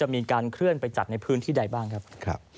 มีการเคลื่อนไปจัดในพื้นที่ใดบ้างครับ